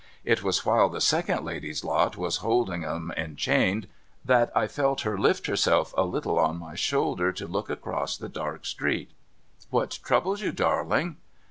It was while the second ladies' lot was holding 'em enchained that I felt her lift herself a little on my shoulder, to look across the dark street. ' What troubles you, darling